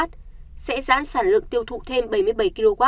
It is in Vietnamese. sẽ giãn sản lượng tiêu thụ thêm bảy mươi bảy kw